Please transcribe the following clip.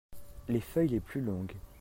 Les feuilles les plus longues.